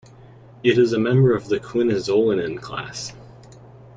It is a member of the quinazolinone class.